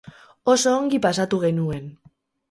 Oso ongi pasatu genuen.